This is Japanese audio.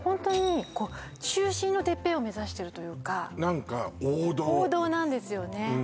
中心のてっぺんを目指してるというか、王道なんですよね。